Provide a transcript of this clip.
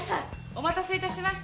お待たせいたしました。